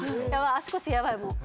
足腰ヤバいもう。